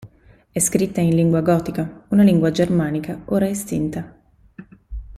È scritta in lingua gotica, una lingua germanica ora estinta.